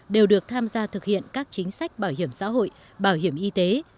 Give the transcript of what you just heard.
đều được tham gia thực hiện các chính sách bảo hiểm xã hội bảo hiểm y tế